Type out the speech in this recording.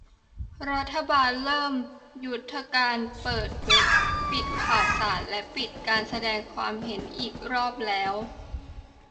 รัฐบาลเริ่มยุทธการปิดเว็บปิดข่าวสารและปิดการแสดงความเห็นอีกรอบแล้ว